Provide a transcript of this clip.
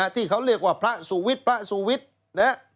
ที่เขาเรียกว่าพระสุวิทธิ์พระสุวิทธิ์